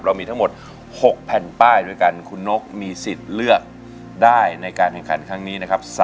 มีทั้งหมด๖แผ่นป้ายด้วยกันคุณนกมีสิทธิ์เลือกได้ในการแข่งขันครั้งนี้นะครับ